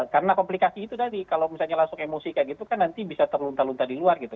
karena komplikasi itu tadi kalau misalnya langsung emosi kayak gitu kan nanti bisa terlunta lunta di luar gitu